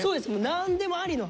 何でもありの。